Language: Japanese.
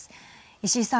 石井さん。